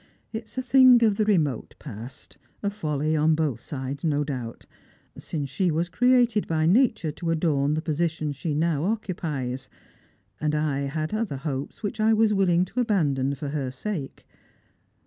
It's a thing of the remote past; a folly on both sides, no doubt; since she was created by nature to adorn the position she now occupies, and I had other hopes which I was willing to abandon for her sake.